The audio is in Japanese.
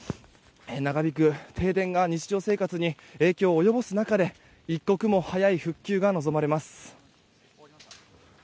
長引く停電が日常生活に影響を及ぼす中で一刻も早い復旧が望まれます。